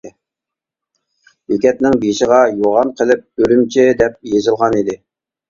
بېكەتنىڭ بېشىغا يوغان قىلىپ «ئۈرۈمچى» دەپ يېزىلغان ئىدى.